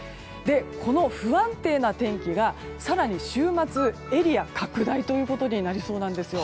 この不安定な天気が更に週末エリア拡大ということになりそうなんです。